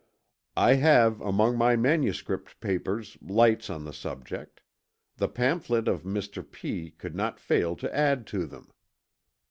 I have among my manuscript papers lights on the subject. The pamphlet of Mr. P. could not fail to add to them.